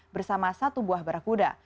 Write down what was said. bersama satu buah barakuda